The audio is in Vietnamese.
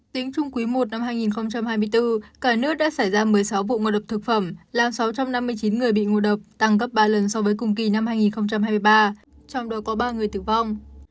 tính chung quý i năm hai nghìn hai mươi bốn cả nước đã xảy ra một mươi sáu vụ ngộ độc thực phẩm làm sáu trăm năm mươi chín người bị ngộ độc tăng gấp ba lần so với cùng kỳ năm hai nghìn hai mươi ba trong đó có ba người tử vong